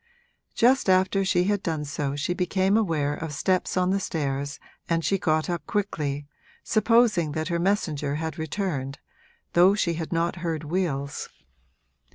Just after she had done so she became aware of steps on the stairs and she got up quickly, supposing that her messenger had returned, though she had not heard wheels.